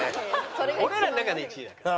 俺らの中で１位だから。